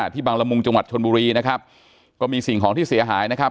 บางละมุงจังหวัดชนบุรีนะครับก็มีสิ่งของที่เสียหายนะครับ